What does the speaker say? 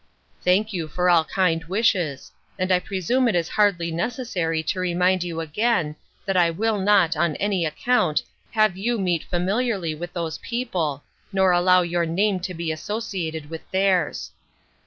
" Thank you for all kind wishes ; and I presume it is hardly necessary to remind you again, that I will not, on any account, have you meet familiarly with those people, nor allow your name to be associated with theirs."